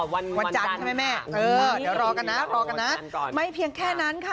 วันจันทร์ใช่ไหมแม่เออเดี๋ยวรอกันนะรอกันนะไม่เพียงแค่นั้นค่ะ